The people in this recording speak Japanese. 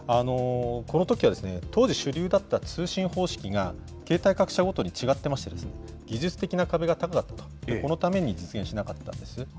このときは、当時、主流だった通信方式が、携帯各社ごとに違ってまして、技術的な壁が高かったと、このために実現しなかったんです。